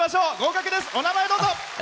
お名前、どうぞ。